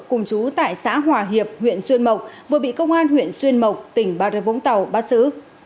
cùng chú tại xã hòa hiệp huyện xuyên mộc vừa bị công an huyện xuyên mộc tỉnh bà rê vũng tàu bắt giữ